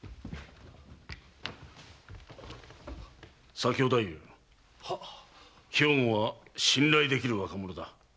左京太夫兵庫は信頼できる若者だ。